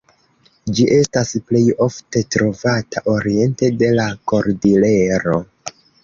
Ĝi estas plej ofte trovata oriente de la Kordilero.